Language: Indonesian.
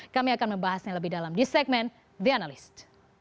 kami akan membahasnya lebih dalam di segmen the analyst